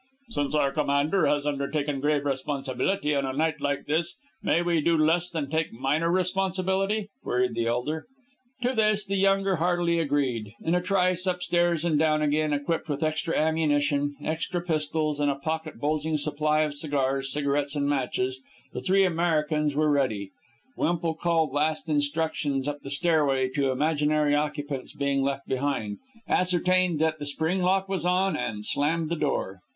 "Since our commander has undertaken grave responsibility on a night like this, may we do less than take minor responsibility?" queried the elder. To this the younger heartily agreed. In a trice, upstairs and down again, equipped with extra ammunition, extra pistols, and a pocket bulging supply of cigars, cigarettes and matches, the three Americans were ready. Wemple called last instructions up the stairway to imaginary occupants being left behind, ascertained that the spring lock was on, and slammed the door.